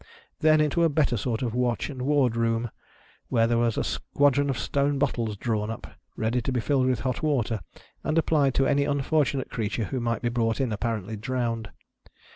Then, into a better sort of watch and ward room, where there was a squadron of stone bottles drawn up, ready to be filled with hot water and applied to any unfortu nate creature whc might be brought in appa rently drowned.